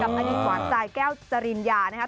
กับอันนิควันจายแก้วจริญญานะครับ